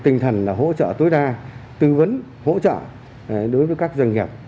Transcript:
tinh thần là hỗ trợ tối đa tư vấn hỗ trợ đối với các doanh nghiệp